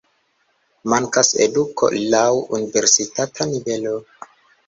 Mankas eduko laŭ universitata nivelo.